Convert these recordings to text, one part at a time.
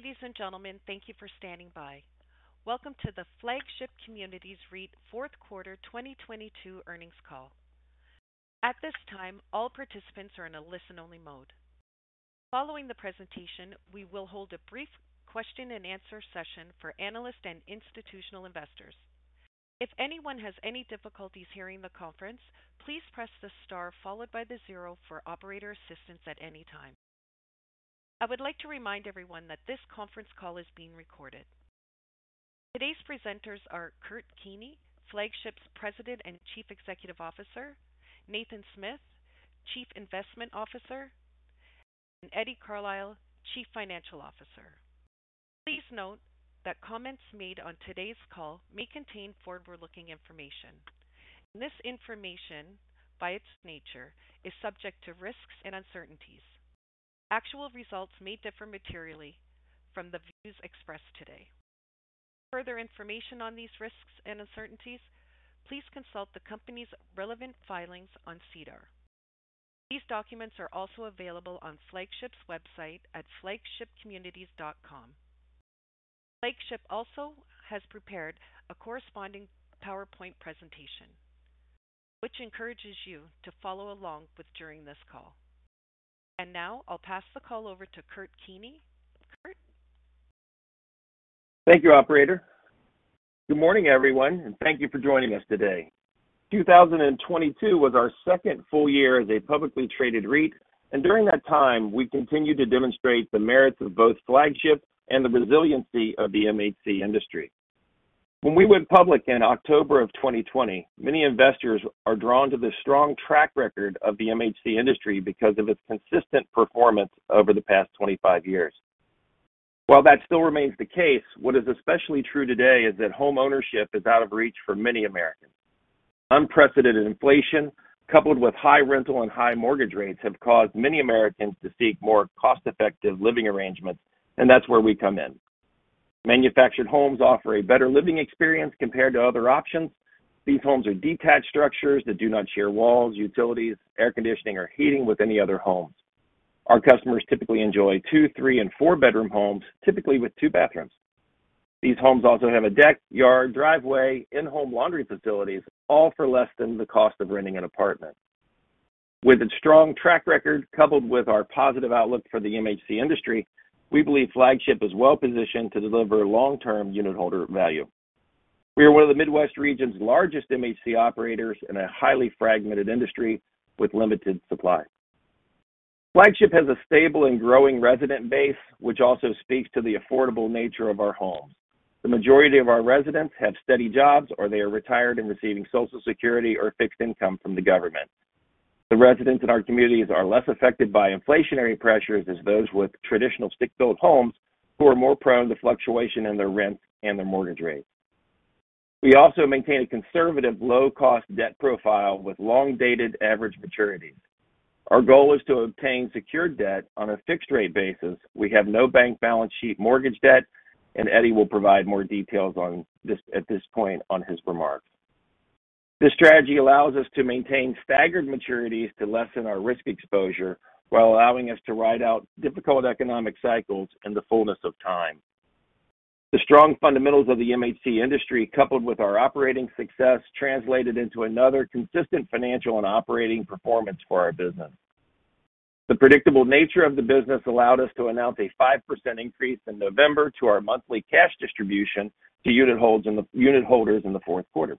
Hello, ladies and gentlemen. Thank you for standing by. Welcome to the Flagship Communities REIT Q4 2022 Earnings Call. At this time, all participants are in a listen-only mode. Following the presentation, we will hold a brief question and answer session for analyst and institutional investors. If anyone has any difficulties hearing the conference, please press the star followed by the zero for operator assistance at any time. I would like to remind everyone that this conference call is being recorded. Today's presenters are Kurt Keeney, Flagship's President and Chief Executive Officer, Nathan Smith, Chief Investment Officer, and Eddie Carlisle, Chief Financial Officer. Please note that comments made on today's call may contain forward-looking information, and this information, by its nature, is subject to risks and uncertainties. Actual results may differ materially from the views expressed today. For further information on these risks and uncertainties, please consult the company's relevant filings on SEDAR. These documents are also available on Flagship's website at flagshipcommunities.com. Flagship also has prepared a corresponding PowerPoint presentation, which encourages you to follow along with during this call. Now I'll pass the call over to Kurt Keeney. Kurt. Thank you, operator. Good morning, everyone, thank you for joining us today. 2022 was our second full year as a publicly traded REIT, during that time, we continued to demonstrate the merits of both Flagship and the resiliency of the MHC industry. When we went public in October of 2020, many investors are drawn to the strong track record of the MHC industry because of its consistent performance over the past 25 years. While that still remains the case, what is especially true today is that homeownership is out of reach for many Americans. Unprecedented inflation, coupled with high rental and high mortgage rates, have caused many Americans to seek more cost-effective living arrangements, that's where we come in. Manufactured homes offer a better living experience compared to other options. These homes are detached structures that do not share walls, utilities, air conditioning, or heating with any other homes. Our customers typically enjoy two, three, and four-bedroom homes, typically with two bathrooms. These homes also have a deck, yard, driveway, in-home laundry facilities, all for less than the cost of renting an apartment. With its strong track record, coupled with our positive outlook for the MHC industry, we believe Flagship is well-positioned to deliver long-term unitholder value. We are one of the Midwest region's largest MHC operators in a highly fragmented industry with limited supply. Flagship has a stable and growing resident base, which also speaks to the affordable nature of our homes. The majority of our residents have steady jobs, or they are retired and receiving Social Security or fixed income from the government. The residents in our communities are less affected by inflationary pressures as those with traditional stick-built homes who are more prone to fluctuation in their rent and their mortgage rates. We also maintain a conservative low-cost debt profile with long-dated average maturities. Our goal is to obtain secured debt on a fixed-rate basis. We have no bank balance sheet mortgage debt, and Eddie will provide more details on this at this point on his remarks. This strategy allows us to maintain staggered maturities to lessen our risk exposure while allowing us to ride out difficult economic cycles in the fullness of time. The strong fundamentals of the MHC industry, coupled with our operating success, translated into another consistent financial and operating performance for our business. The predictable nature of the business allowed us to announce a 5% increase in November to our monthly cash distribution to unitholders in the Q4, which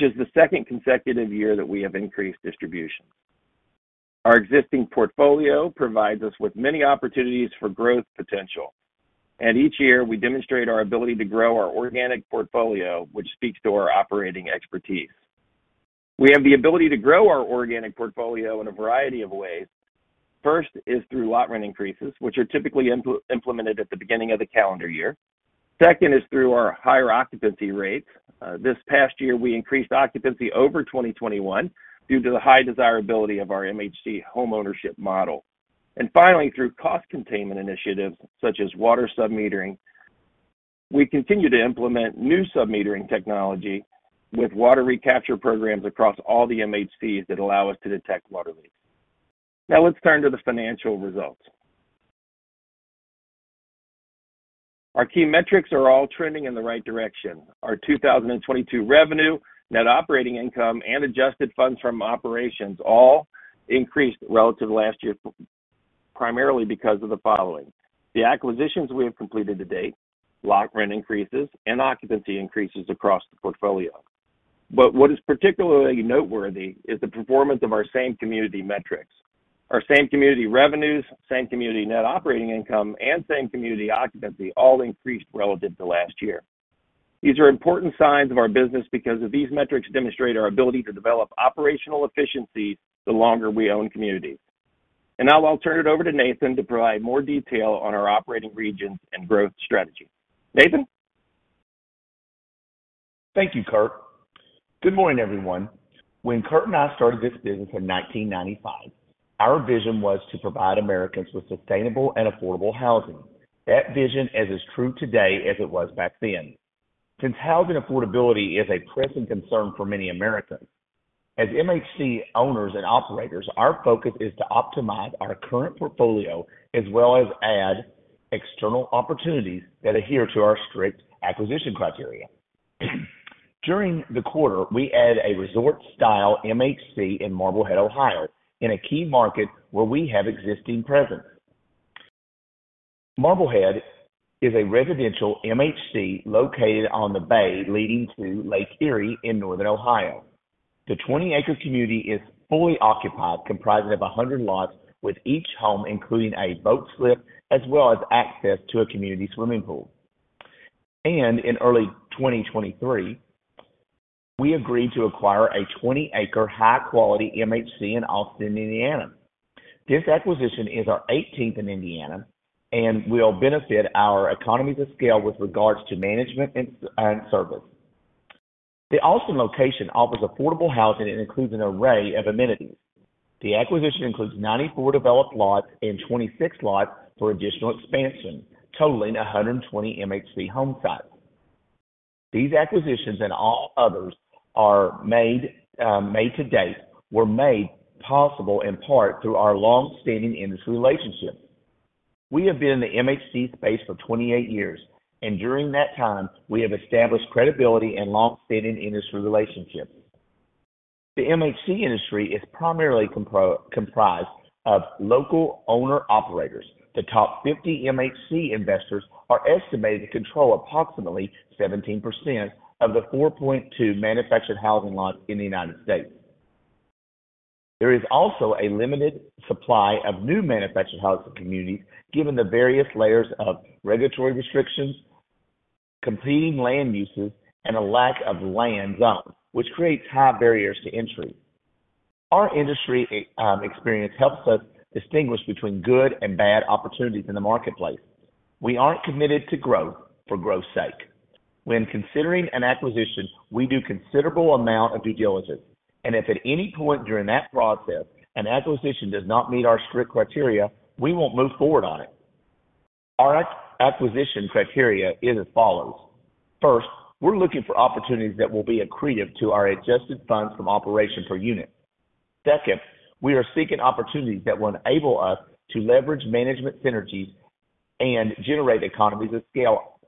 is the second consecutive year that we have increased distribution. Each year, we demonstrate our ability to grow our organic portfolio, which speaks to our operating expertise. We have the ability to grow our organic portfolio in a variety of ways. First is through lot rent increases, which are typically implemented at the beginning of the calendar year. Second is through our higher occupancy rates. This past year, we increased occupancy over 2021 due to the high desirability of our MHC homeownership model. Finally, through cost containment initiatives such as water submetering. We continue to implement new submetering technology with water recapture programs across all the MHCs that allow us to detect water leaks. Let's turn to the financial results. Our key metrics are all trending in the right direction. Our 2022 revenue, net operating income, and adjusted funds from operations all increased relative to last year, primarily because of the following. The acquisitions we have completed to date, lot rent increases, and occupancy increases across the portfolio. What is particularly noteworthy is the performance of our same community metrics. Our same community revenues, same community net operating income, and same community occupancy all increased relative to last year. These are important signs of our business because these metrics demonstrate our ability to develop operational efficiency the longer we own communities. Now I'll turn it over to Nathan to provide more detail on our operating regions and growth strategy. Nathan. Thank you, Kurt. Good morning, everyone. When Kurt and I started this business in 1995, our vision was to provide Americans with sustainable and affordable housing. That vision is as true today as it was back then. Since housing affordability is a pressing concern for many Americans. As MHC owners and operators, our focus is to optimize our current portfolio as well as add external opportunities that adhere to our strict acquisition criteria. During the quarter, we add a resort-style MHC in Marblehead, Ohio, in a key market where we have existing presence. Marblehead is a residential MHC located on the bay leading to Lake Erie in Northern Ohio. The 20-acre community is fully occupied, comprising of 100 lots, with each home including a boat slip as well as access to a community swimming pool. In early 2023, we agreed to acquire a 20-acre high-quality MHC in Austin, Indiana. This acquisition is our 18th in Indiana and will benefit our economies of scale with regards to management and service. The Austin location offers affordable housing and includes an array of amenities. The acquisition includes 94 developed lots and 26 lots for additional expansion, totaling 120 MHC home sites. These acquisitions and all others are made to date were made possible in part through our long-standing industry relationship. We have been in the MHC space for 28 years, and during that time, we have established credibility and long-standing industry relationships. The MHC industry is primarily comprised of local owner-operators. The top 50 MHC investors are estimated to control approximately 17% of the 4.2 manufactured housing lots in the United States. There is also a limited supply of new manufactured housing communities, given the various layers of regulatory restrictions, competing land uses, and a lack of land zone, which creates high barriers to entry. Our industry experience helps us distinguish between good and bad opportunities in the marketplace. We aren't committed to growth for growth's sake. When considering an acquisition, we do considerable amount of due diligence, and if at any point during that process an acquisition does not meet our strict criteria, we won't move forward on it. Our acquisition criteria is as follows. First, we're looking for opportunities that will be accretive to our adjusted funds from operation per unit. Second, we are seeking opportunities that will enable us to leverage management synergies and generate economies of scale.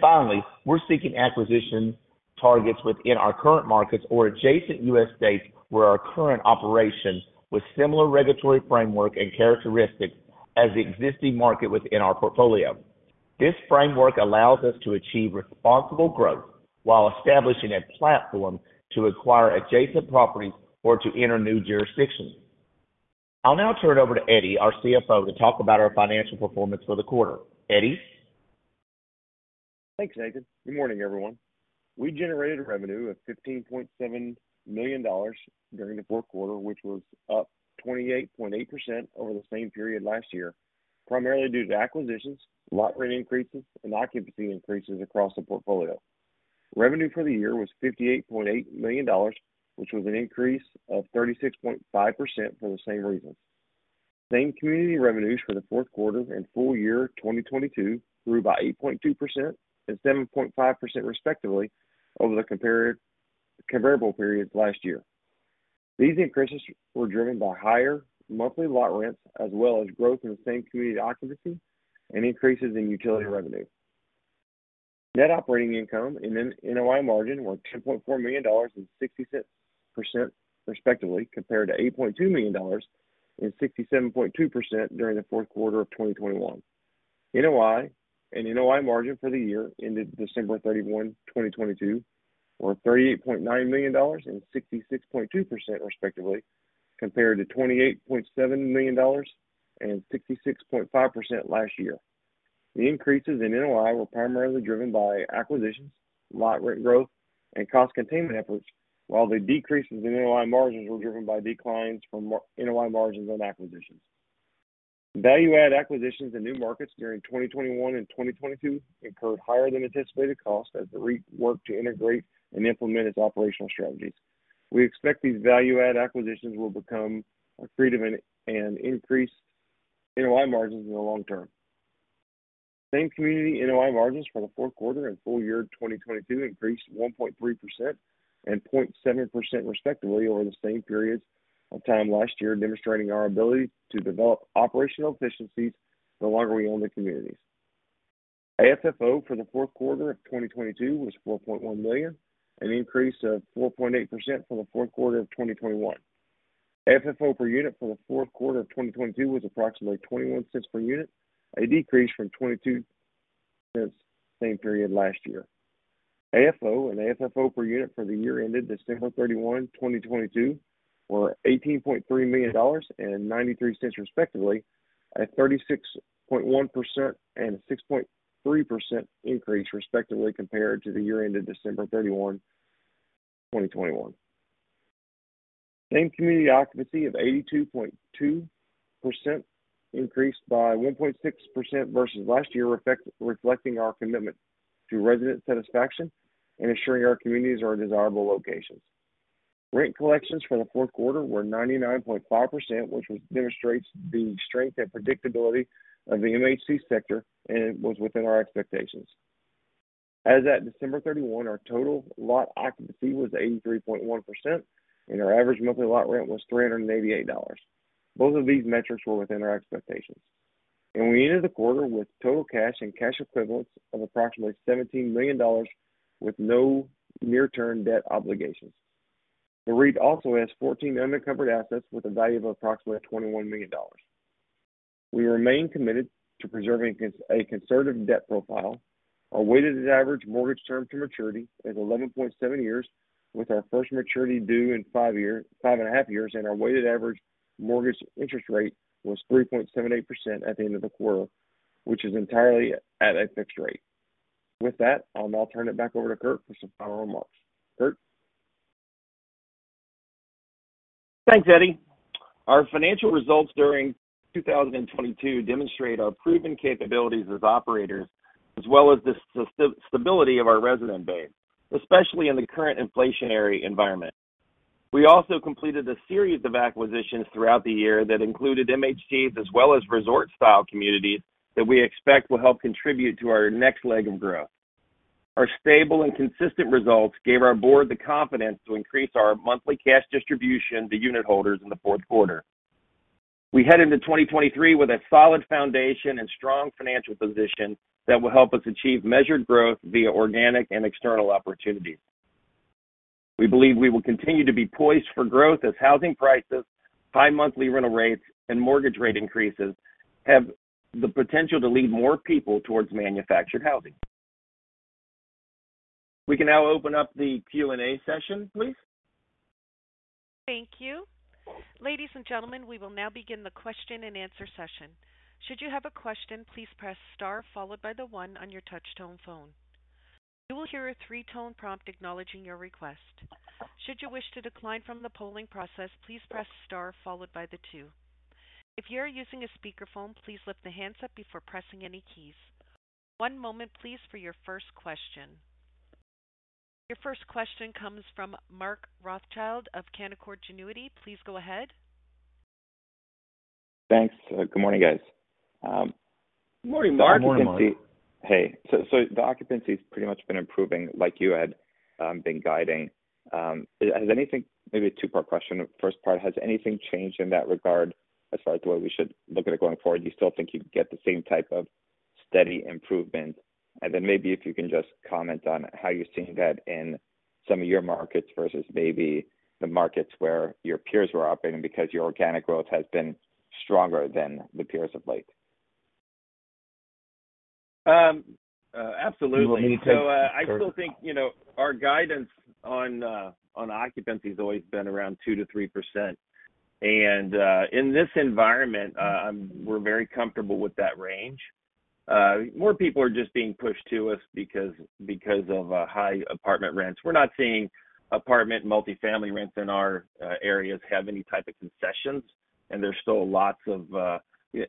Finally, we're seeking acquisition targets within our current markets or adjacent U.S. states where our current operations with similar regulatory framework and characteristics as the existing market within our portfolio. This framework allows us to achieve responsible growth while establishing a platform to acquire adjacent properties or to enter new jurisdictions. I'll now turn over to Eddie, our CFO, to talk about our financial performance for the quarter. Eddie? Thanks, Nathan. Good morning, everyone. We generated revenue of $15.7 million during the Q4, which was up 28.8% over the same period last year, primarily due to acquisitions, lot rent increases, and occupancy increases across the portfolio. Revenue for the year was $58.8 million, which was an increase of 36.5% for the same reason. Same community revenues for the Q4 and full year 2022 grew by 8.2% and 7.5% respectively over the comparable periods last year. These increases were driven by higher monthly lot rents as well as growth in same-community occupancy and increases in utility revenue. Net operating income and NOI margin were $10.4 million and 66% respectively, compared to $8.2 million and 67.2% during the Q4 of 2021. NOI and NOI margin for the year ended December 31, 2022, were $38.9 million and 66.2% respectively, compared to $28.7 million and 66.5% last year. The increases in NOI were primarily driven by acquisitions, lot rent growth, and cost containment efforts, while the decreases in NOI margins were driven by declines from NOI margins on acquisitions. Value add acquisitions in new markets during 2021 and 2022 incurred higher than anticipated costs as the REIT worked to integrate and implement its operational strategies. We expect these value add acquisitions will become accretive and increase NOI margins in the long term. Same community NOI margins for the Q4 and full year 2022 increased 1.3% and 0.7% respectively over the same periods of time last year, demonstrating our ability to develop operational efficiencies the longer we own the communities. AFFO for the Q4 of 2022 was $4.1 million, an increase of 4.8% from the Q4 of 2021. AFFO per unit for the Q4 of 2022 was approximately $0.21 per unit, a decrease from $0.22 same period last year. FFO and AFFO per unit for the year ended December 31, 2022, were $18.3 million and $0.93 respectively, a 36.1% and 6.3% increase respectively, compared to the year ended December 31, 2021. Same community occupancy of 82.2% increased by 1.6% versus last year, reflecting our commitment to resident satisfaction and ensuring our communities are in desirable locations. Rent collections for the Q4 were 99.5%, which demonstrates the strength and predictability of the MHC sector and was within our expectations. As at December 31, our total lot occupancy was 83.1%, and our average monthly lot rent was $388. Both of these metrics were within our expectations. We ended the quarter with total cash and cash equivalents of approximately $17 million, with no near-term debt obligations. The REIT also has 14 undercovered assets with a value of approximately $21 million. We remain committed to preserving a conservative debt profile. Our weighted average mortgage term to maturity is 11.7 years, with our first maturity due in 5.5 years, and our weighted average mortgage interest rate was 3.78% at the end of the quarter, which is entirely at a fixed rate. With that, I'll now turn it back over to Kurt for some final remarks. Kurt? Thanks, Eddie. Our financial results during 2022 demonstrate our proven capabilities as operators, as well as the stability of our resident base, especially in the current inflationary environment. We also completed a series of acquisitions throughout the year that included MHCs as well as resort-style communities that we expect will help contribute to our next leg of growth. Our stable and consistent results gave our board the confidence to increase our monthly cash distribution to unitholders in the Q4. We head into 2023 with a solid foundation and strong financial position that will help us achieve measured growth via organic and external opportunities. We believe we will continue to be poised for growth as housing prices, high monthly rental rates, and mortgage rate increases have the potential to lead more people towards manufactured housing. We can now open up the Q&A session, please. Thank you. Ladies and gentlemen, we will now begin the question and answer session. Should you have a question, please press star followed by the one on your touch-tone phone. You will hear a 3-tone prompt acknowledging your request. Should you wish to decline from the polling process, please press star followed by the two. If you are using a speakerphone, please lift the handset before pressing any keys. One moment please for your first question. Your first question comes from Mark Rothschild of Canaccord Genuity. Please go ahead. Thanks. Good morning, guys. Good morning, Mark. Good morning, Mark. Hey. The occupancy has pretty much been improving like you had been guiding. Maybe a two-part question. First part, has anything changed in that regard as far as the way we should look at it going forward? Do you still think you can get the same type of steady improvement? Maybe if you can just comment on how you're seeing that in some of your markets versus maybe the markets where your peers were operating because your organic growth has been stronger than the peers of late. absolutely. Do you want me to- I still think, you know, our guidance on occupancy has always been around 2%-3%. In this environment, we're very comfortable with that range. More people are just being pushed to us because of high apartment rents. We're not seeing apartment, multi-family rents in our areas have any type of concessions, and there's still lots of...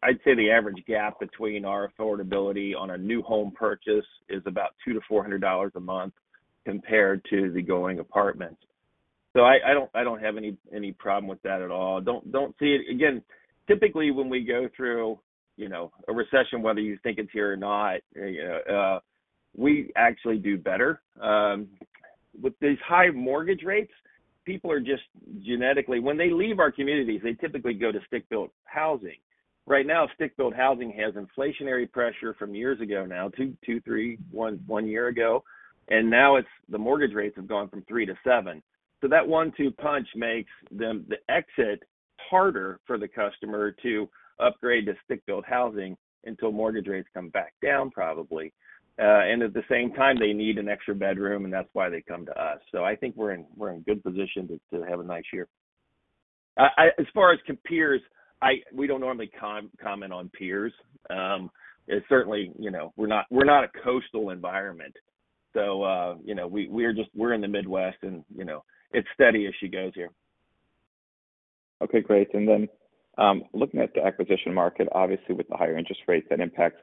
I'd say the average gap between our affordability on a new home purchase is about $200-$400 a month compared to the going apartment. I don't have any problem with that at all. Don't see. Again, typically, when we go through, you know, a recession, whether you think it's here or not, we actually do better. With these high mortgage rates, people are just genetically when they leave our communities, they typically go to stick-built housing. Right now, stick-built housing has inflationary pressure from years ago now, two, three, one year ago. Now it's the mortgage rates have gone from three to seven. That one-two punch makes the exit harder for the customer to upgrade to stick-built housing until mortgage rates come back down, probably. At the same time, they need an extra bedroom, and that's why they come to us. I think we're in good position to have a nice year. As far as compares, we don't normally comment on peers. Certainly, you know, we're not a coastal environment. You know, we're in the Midwest and, you know, it's steady as she goes here. Okay, great. Looking at the acquisition market, obviously, with the higher interest rates, that impacts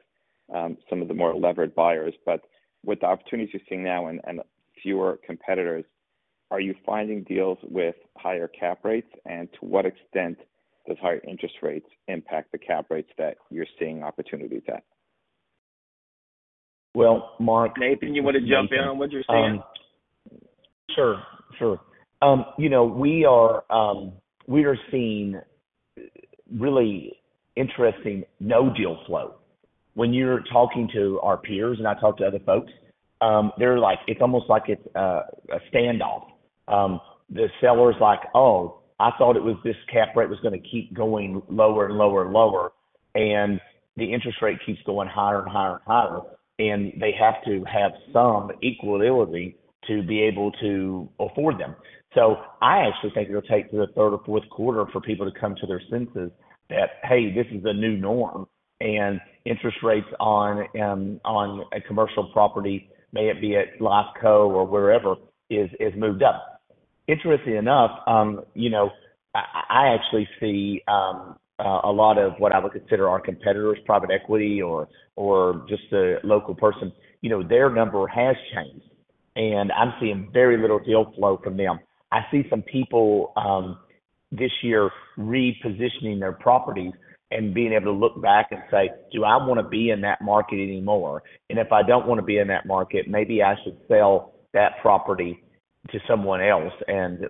some of the more levered buyers. With the opportunities you're seeing now and fewer competitors, are you finding deals with higher cap rates? To what extent does higher interest rates impact the cap rates that you're seeing opportunities at? Well, Mark, Nathan, you want to jump in on what you're seeing? Sure, sure. you know, we are seeing really interesting no-deal flow. When you're talking to our peers, and I talk to other folks, they're like, it's almost like it's a standoff. The seller's like, "Oh, I thought it was this cap rate was going to keep going lower and lower and lower," and the interest rate keeps going higher and higher and higher, and they have to have some equality to be able to afford them. I actually think it'll take the Q3 or Q4 for people to come to their senses that, hey, this is a new norm, and interest rates on a commercial property, may it be at LifeCo or wherever, is moved up. Interestingly enough, you know, I actually see a lot of what I would consider our competitors, private equity or just a local person, you know, their number has changed. I'm seeing very little deal flow from them. I see some people this year repositioning their properties and being able to look back and say, "Do I want to be in that market anymore? And if I don't want to be in that market, maybe I should sell that property to someone else and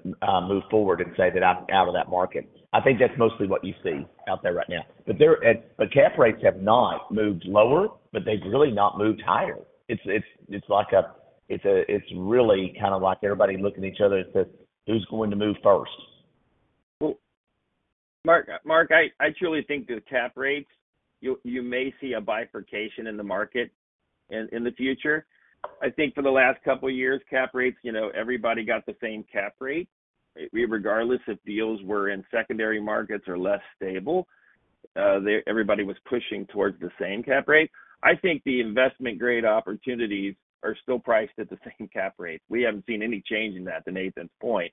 move forward and say that I'm out of that market." I think that's mostly what you see out there right now. But cap rates have not moved lower, but they've really not moved higher. It's like a... It's a, it's really kind of like everybody looking at each other and says, "Who's going to move first?". Mark, I truly think the cap rates, you may see a bifurcation in the market in the future. I think for the last couple of years, cap rates, you know, everybody got the same cap rate. Regardless if deals were in secondary markets or less stable, everybody was pushing towards the same cap rate. I think the investment-grade opportunities are still priced at the same cap rate. We haven't seen any change in that, to Nathan's point.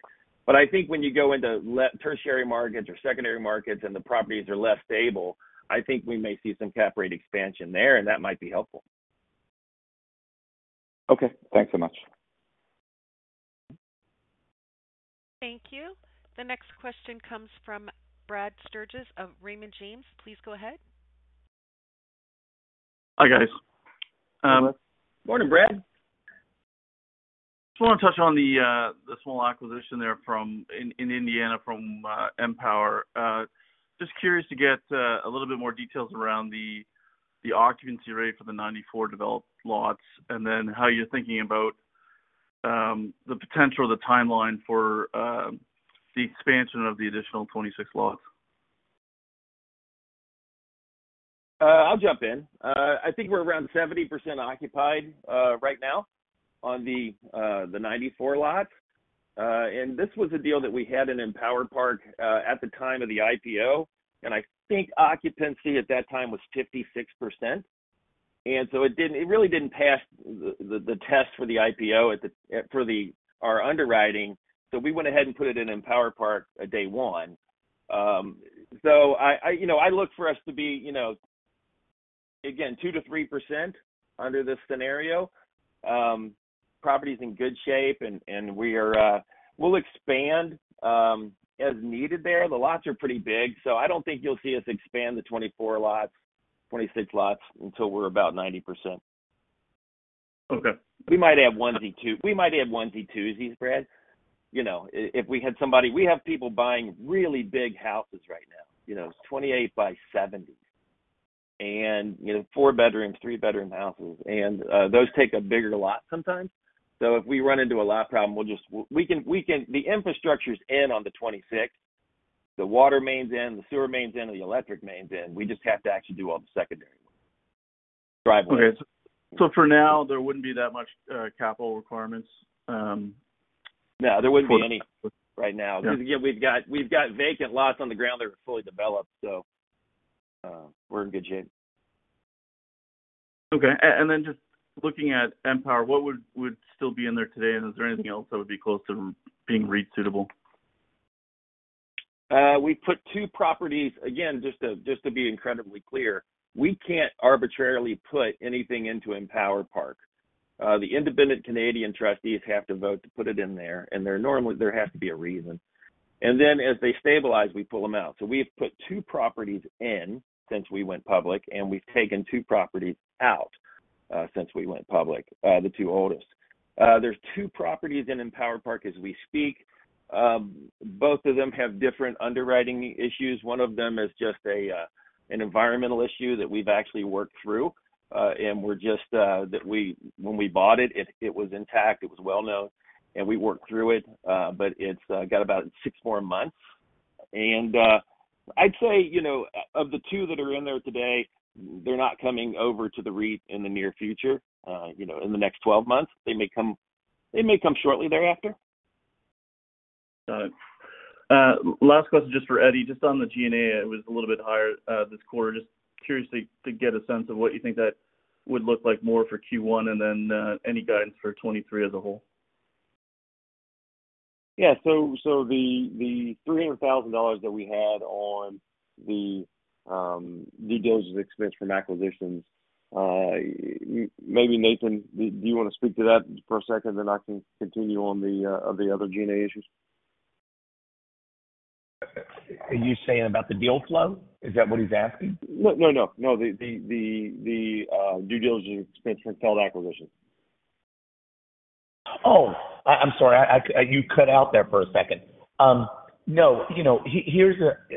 I think when you go into tertiary markets or secondary markets and the properties are less stable, I think we may see some cap rate expansion there, and that might be helpful. Okay. Thanks so much. Thank you. The next question comes from Brad Sturges of Raymond James. Please go ahead. Hi, guys. Morning, Brad. Just want to touch on the small acquisition there in Indiana from Empower Park. Just curious to get a little bit more details around the occupancy rate for the 94 developed lots, and then how you're thinking about the potential or the timeline for the expansion of the additional 26 lots. I'll jump in. I think we're around 70% occupied right now on the 94 lots. This was a deal that we had in Empower Park at the time of the IPO, and I think occupancy at that time was 56%. It really didn't pass the test for the IPO for our underwriting, so we went ahead and put it in Empower Park at day one. I, you know, I look for us to be, you know, again, 2%-3% under this scenario. Property's in good shape and we are, we'll expand as needed there. The lots are pretty big, I don't think you'll see us expand the 24 lots, 26 lots until we're about 90%. Okay. We might add onesies, twosies, Brad. You know, if we had somebody. We have people buying really big houses right now, you know, 28 by 70 and, you know, four bedroom, three bedroom houses. Those take a bigger lot sometimes. If we run into a lot problem, we'll just. We can. The infrastructure's in on the 26. The water main's in, the sewer main's in, and the electric main's in. We just have to actually do all the secondary work. Okay. For now, there wouldn't be that much capital requirements. No, there wouldn't be any right now. Yeah. Again, we've got vacant lots on the ground that are fully developed, so, we're in good shape. Okay. Then just looking at Empower Park, what would still be in there today, and is there anything else that would be close to being REIT-suitable? We put two properties. Just to be incredibly clear, we can't arbitrarily put anything into Empower Park. The independent Canadian trustees have to vote to put it in there has to be a reason. As they stabilize, we pull them out. We've put two properties in since we went public, and we've taken two properties out since we went public, the two oldest. There's two properties in Empower Park as we speak. Both of them have different underwriting issues. One of them is just a an environmental issue that we've actually worked through, and we're just that when we bought it was intact, it was well-known, and we worked through it. It's got about six more months. I'd say, you know, of the two that are in there today, they're not coming over to the REIT in the near future, you know, in the next 12 months. They may come shortly thereafter. Got it. Last question just for Eddie. Just on the G&A, it was a little bit higher this quarter. Just curious to get a sense of what you think that would look like more for Q1 and then any guidance for 2023 as a whole? The $300,000 that we had on the due diligence expense from acquisitions, maybe Nathan, do you want to speak to that for a second, then I can continue on the other G&A issues? Are you saying about the deal flow? Is that what he's asking? No, no. The due diligence expense from failed acquisitions. I'm sorry. You cut out there for a second. No. You know,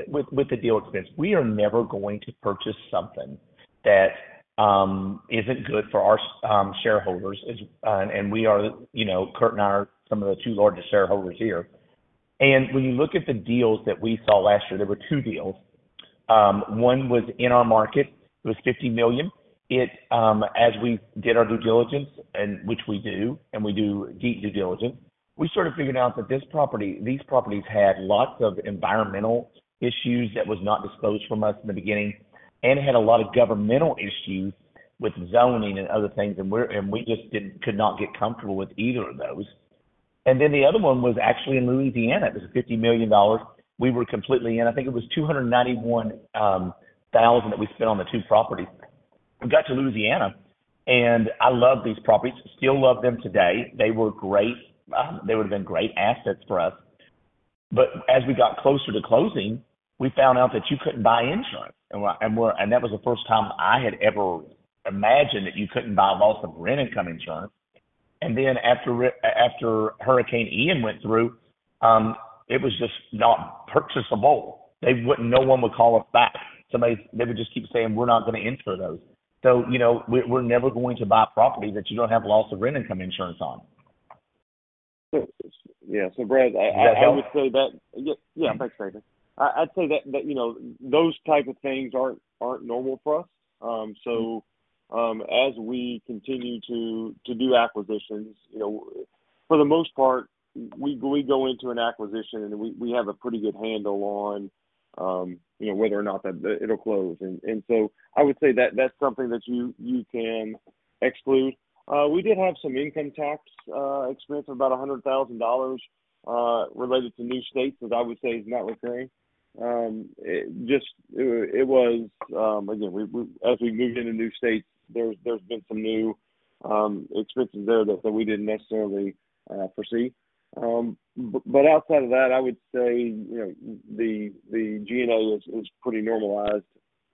with the deal expense, we are never going to purchase something that isn't good for our shareholders, and we are, you know, Kurt Keeney and I are some of the two largest shareholders here. When you look at the deals that we saw last year, there were two deals. One was in our market. It was $50 million. As we did our due diligence, and which we do, and we do deep due diligence, we sort of figured out that these properties had lots of environmental issues that was not disclosed from us in the beginning, and had a lot of governmental issues with zoning and other things. We could not get comfortable with either of those. The other one was actually in Louisiana. It was a $50 million. We were completely in. I think it was $291,000 that we spent on the two properties. We got to Louisiana. I love these properties. Still love them today. They were great. They would have been great assets for us. As we got closer to closing, we found out that you couldn't buy insurance. That was the first time I had ever imagined that you couldn't buy loss of rent income insurance. After Hurricane Ian went through, it was just not purchasable. They wouldn't. No one would call us back. They would just keep saying, "We're not going to insure those." You know, we're never going to buy property that you don't have loss of rent income insurance on. Does that help? I would say that. Yeah. Thanks, Brad. I'd say that, you know, those type of things aren't normal for us. As we continue to do acquisitions, you know, for the most part, we go into an acquisition, and we have a pretty good handle on, you know, whether or not that it'll close. I would say that that's something that you can exclude. We did have some income tax expense of about $100,000 related to new states that I would say is not recurring. It was. Again, as we move into new states, there's been some new expenses there that we didn't necessarily foresee. Outside of that, I would say, you know, the G&A is pretty normalized,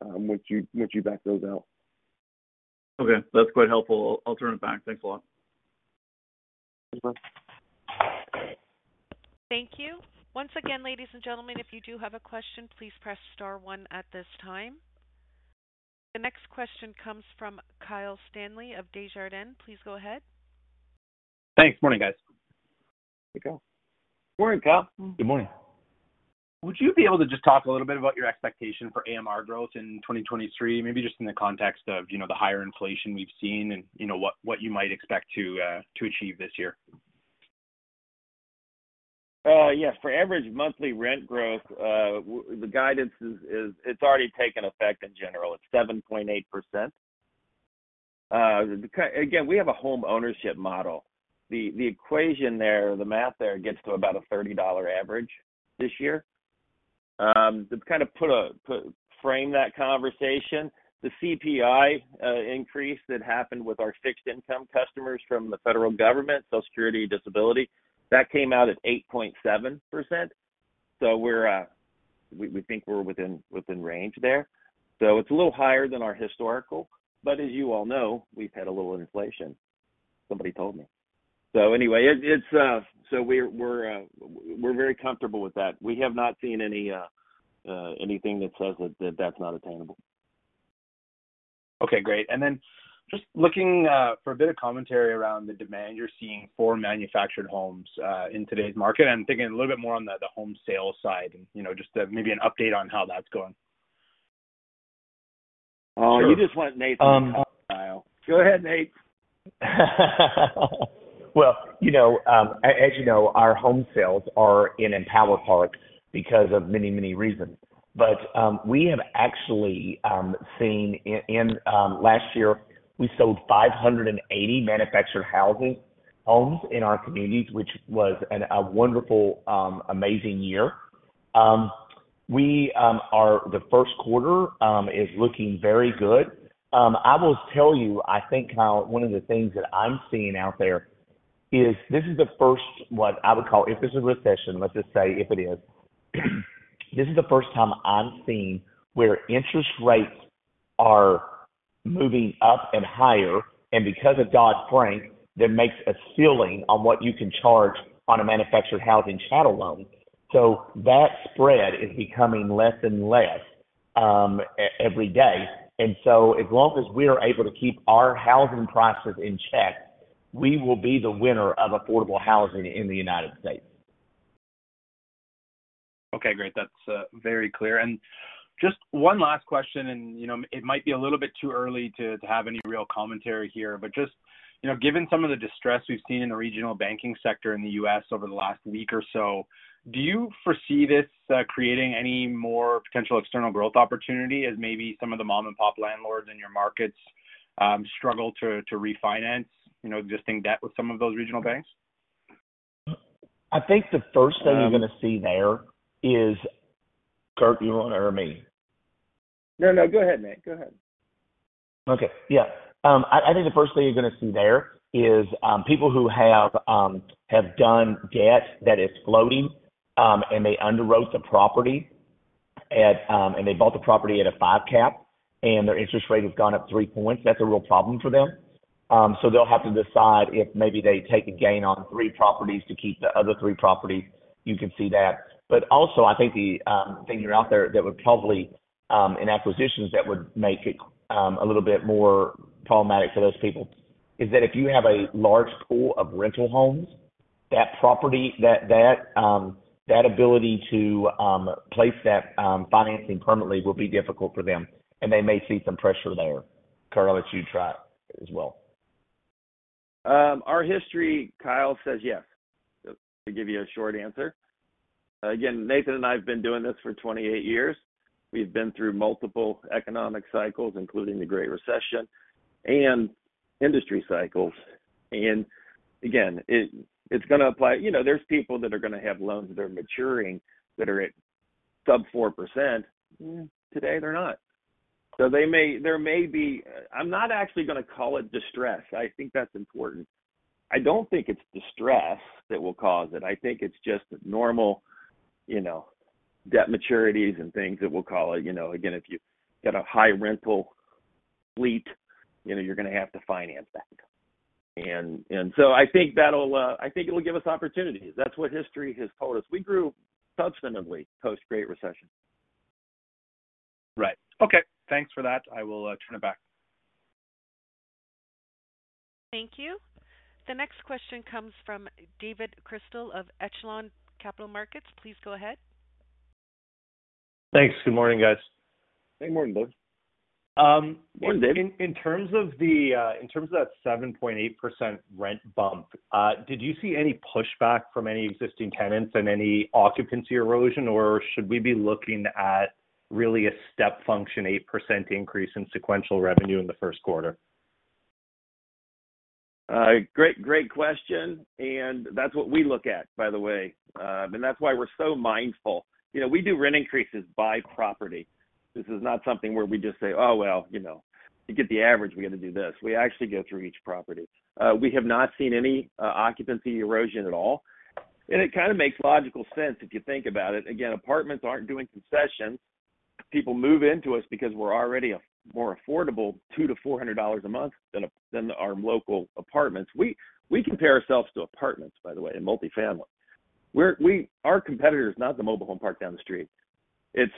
once you back those out. Okay, that's quite helpful. I'll turn it back. Thanks a lot. Thanks, man. Thank you. Once again, ladies and gentlemen, if you do have a question, please press star one at this time. The next question comes from Kyle Stanley of Desjardins. Please go ahead. Thanks. Morning, guys. Hey, Kyle. Morning, Kyle. Good morning. Would you be able to just talk a little bit about your expectation for AMR growth in 2023, maybe just in the context of, you know, the higher inflation we've seen and, you know, what you might expect to achieve this year? Yes. For average monthly rent growth, the guidance is, it's already taken effect in general. It's 7.8%. Again, we have a home ownership model. The equation there, the math there gets to about a $30 average this year. To kind of frame that conversation, the CPI increase that happened with our fixed income customers from the federal government, Social Security, disability, that came out at 8.7%. We think we're within range there. It's a little higher than our historical. As you all know, we've had a little inflation, somebody told me. Anyway, it's, we're very comfortable with that. We have not seen any anything that says that that's not attainable. Okay, great. Then just looking for a bit of commentary around the demand you're seeing for manufactured homes in today's market. I'm thinking a little bit more on the home sales side and, you know, just maybe an update on how that's going. Oh, you just want Nathan to talk, Kyle. Go ahead, Nate. Well, you know, as you know, our home sales are in Empower Parks because of many, many reasons. We have actually seen last year, we sold 580 manufactured housing homes in our communities, which was a wonderful, amazing year. We. The first quarter is looking very good. I will tell you, I think, Kyle, one of the things that I'm seeing out there is this is the first what I would call... If this is a recession, let's just say if it is, this is the first time I'm seeing where interest rates are moving up and higher, and because of Dodd-Frank, that makes a ceiling on what you can charge on a manufactured housing chattel loan. That spread is becoming less and less every day. As long as we are able to keep our housing prices in check, we will be the winner of affordable housing in the United States. Okay, great. That's very clear. Just one last question, and, you know, it might be a little bit too early to have any real commentary here. Just, you know, given some of the distress we've seen in the regional banking sector in the U.S. over the last week or so, do you foresee this creating any more potential external growth opportunity as maybe some of the mom-and-pop landlords in your markets struggle to refinance, you know, existing debt with some of those regional banks? I think the first thing you're gonna see there is, Kurt, you wanna or me? No, no, go ahead, Nate. Go ahead. Okay. Yeah. I think the first thing you're gonna see there is people who have done debt that is floating, and they underwrote the property at, and they bought the property at a five cap, and their interest rate has gone up three-points. That's a real problem for them. So they'll have to decide if maybe they take a gain on three properties to keep the other three properties. You can see that. Also, I think the thing you're out there that would probably in acquisitions that would make it a little bit more problematic for those people is that if you have a large pool of rental homes, that property, that ability to place that financing permanently will be difficult for them, and they may see some pressure there. Kurt, I'll let you try as well. Our history, Kyle, says yes. To give you a short answer. Again, Nathan and I have been doing this for 28 years. We've been through multiple economic cycles, including the Great Recession and industry cycles. Again, it's gonna apply. You know, there's people that are gonna have loans that are maturing that are at sub 4%. Today, they're not. There may be. I'm not actually gonna call it distress. I think that's important. I don't think it's distress that will cause it. I think it's just normal, you know, debt maturities and things that we'll call it. You know, again, if you got a high rental fleet, you know you're gonna have to finance that. I think that'll, I think it'll give us opportunities. That's what history has told us. We grew substantively post-Great Recession. Okay. Thanks for that. I will turn it back. Thank you. The next question comes from David Chrystal of Echelon Capital Markets. Please go ahead. Thanks. Good morning, guys. Good morning, Dave. Um- Morning, Dave. In terms of the, in terms of that 7.8% rent bump, did you see any pushback from any existing tenants and any occupancy erosion? Should we be looking at really a step function, 8% increase in sequential revenue in the Q1? Great, great question, that's what we look at, by the way. That's why we're so mindful. You know, we do rent increases by property. This is not something where we just say, "Oh, well, you know, to get the average, we got to do this." We actually go through each property. We have not seen any occupancy erosion at all. It kind of makes logical sense if you think about it. Again, apartments aren't doing concessions. People move into us because we're already a more affordable $200-$400 a month than our local apartments. We, we compare ourselves to apartments, by the way, and multifamily. Our competitor is not the mobile home park down the street. It's,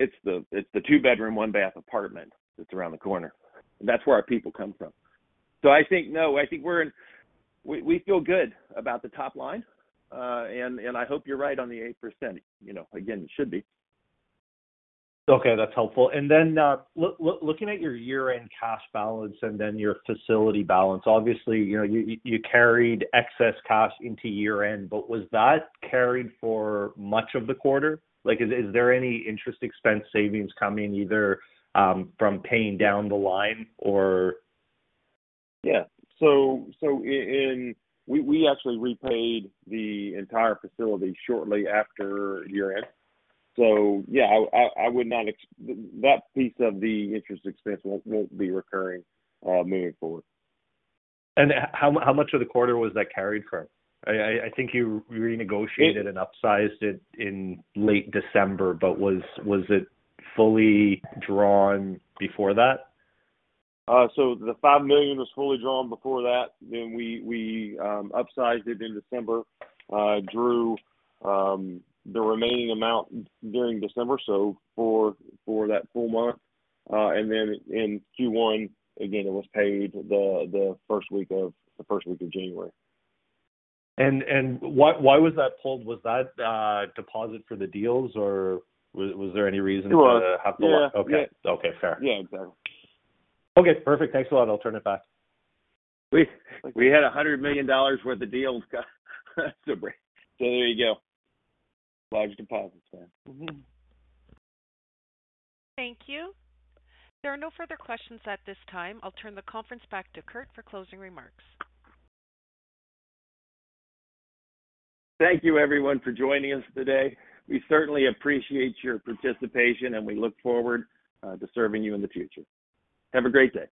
it's the, it's the two bedroom, one bath apartment that's around the corner. That's where our people come from. I think, no, I think we feel good about the top line, and I hope you're right on the 8%. You know, again, it should be. Okay, that's helpful. Looking at your year-end cash balance and then your facility balance. Obviously, you know, you carried excess cash into year-end, but was that carried for much of the quarter? Like is there any interest expense savings coming either from paying down the line or? Yeah. We actually repaid the entire facility shortly after year-end. Yeah, I would not That piece of the interest expense won't be recurring, moving forward. How much of the quarter was that carried from? I think you renegotiated and upsized it in late December, but was it fully drawn before that? The $5 million was fully drawn before that. We upsized it in December, drew the remaining amount during December, so for that full month. In Q1, again, it was paid the first week of January. Why was that pulled? Was that deposit for the deals or was there any reason for the half the- It was. Okay. Okay, fair. Yeah, exactly. Okay, perfect. Thanks a lot. I'll turn it back. We had $100 million worth of deals, so there you go. Large deposits, man. Thank you. There are no further questions at this time. I'll turn the conference back to Kurt for closing remarks. Thank you everyone for joining us today. We certainly appreciate your participation, and we look forward to serving you in the future. Have a great day.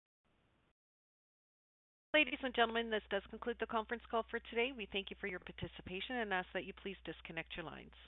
Ladies and gentlemen, this does conclude the conference call for today. We thank you for your participation and ask that you please disconnect your lines.